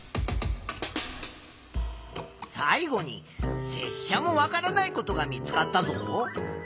最後にせっしゃもわからないことが見つかったぞ。